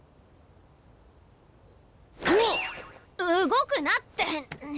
動くなって！